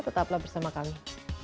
tetaplah bersama kami